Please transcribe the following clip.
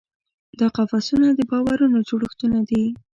دا قفسونه د باورونو جوړښتونه دي.